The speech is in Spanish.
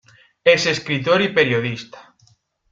Es escritor y periodista.